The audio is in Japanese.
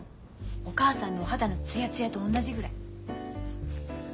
お母さんのお肌のツヤツヤと同じぐらい。